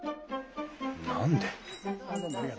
何で？